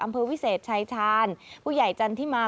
อำเภอวิเศษชายชาญผู้ใหญ่จันทิมา